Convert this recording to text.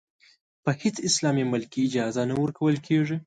په هېڅ اسلامي ملک کې اجازه نه ورکول کېږي.